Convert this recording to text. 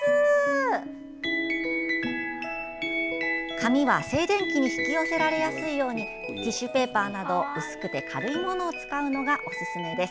紙は、静電気に引き寄せられやすいようにティッシュペーパーなど薄くて軽いものを使うのがおすすめです。